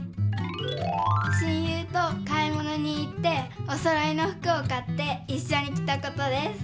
親友と買いものに行っておそろいのふくを買っていっしょにきたことです。